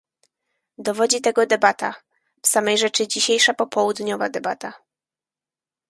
Dowodzi tego debata, w samej rzeczy dzisiejsza popołudniowa debata